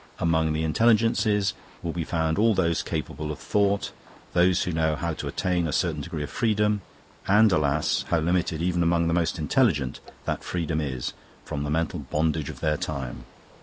Among the Intelligences will be found all those capable of thought, those who know how to attain a certain degree of freedom and, alas, how limited, even among the most intelligent, that freedom is! from the mental bondage of their time.